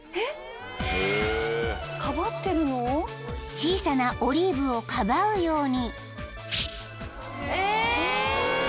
［小さなオリーブをかばうように］